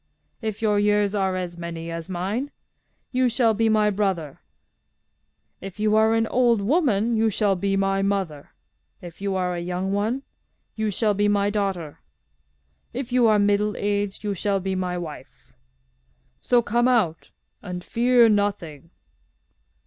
If your years are as many as mine, you shall be my brother. If you are an old woman, you shall be my mother. If you are a young one, you shall be my daughter. If you are middle aged, you shall be my wife. So come out, and fear nothing.